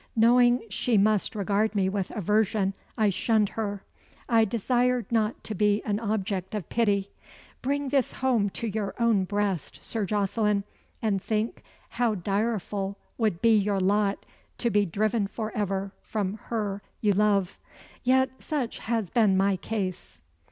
Knowing she must regard me with aversion, I shunned her. I desired not to be an object of pity. Bring this home to your own breast, Sir Jocelyn, and think how direful would be your lot to be driven for ever from her you love. Yet, such has been my case."